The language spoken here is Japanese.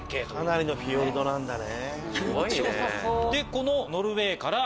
かなりのフィヨルドなんだね。